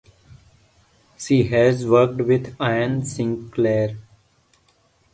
She has worked with Iain Sinclair.